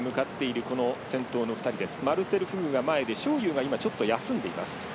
マルセル・フグが前で章勇がちょっと休んでいます。